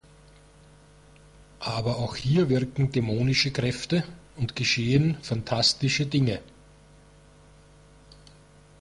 Aber auch hier wirken dämonische Kräfte und geschehen phantastische Dinge.